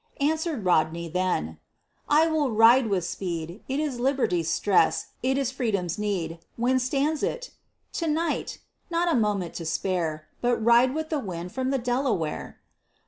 Answered Rodney then: "I will ride with speed; It is Liberty's stress; it is Freedom's need. When stands it?" "To night. Not a moment to spare, But ride like the wind from the Delaware."